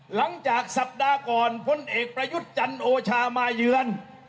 หลังจากสัปดาห์ก่อนพลเอกประยุทธ์จันโอชามาเยือน